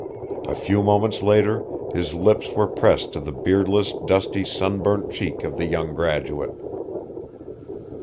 . A few moments later his lips were pressed to the beardless dusty sunburnt cheek of the young graduate.